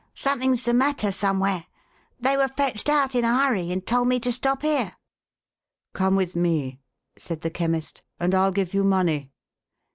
Something's the matter, somewhere. They were fetched out in a hurry, and told me to stop here." "Come with me," said the Chemist, "and I'll give you money."